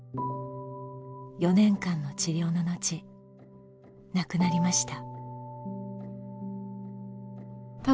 ４年間の治療の後亡くなりました。